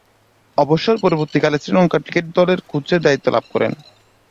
অবসর পরবর্তীকালে শ্রীলঙ্কা ক্রিকেট দলের কোচের দায়িত্ব লাভ করেন।